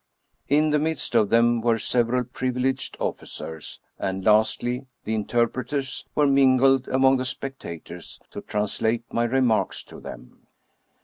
In the midst of them were several privileged officers, and, lastly, the interpreters were mingled among the spec tators, to translate my remarks to them.